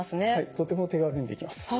とても手軽にできます。